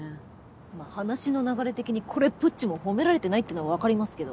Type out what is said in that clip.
まあ話の流れ的にこれっぽっちも褒められてないっていうのはわかりますけど。